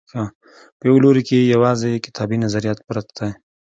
په یوه لوري کې یوازې کتابي نظریات پرت دي.